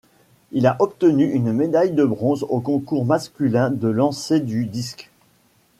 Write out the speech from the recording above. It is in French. Il a obtenu une médaille de bronze au concours masculin de lancer du disque.